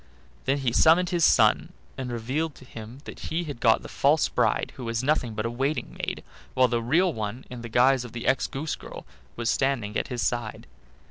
Then he summoned his son, and revealed to him that he had got the false bride, who was nothing but a waiting maid, while the real one, in the guise of the ex goose girl, was standing at his side.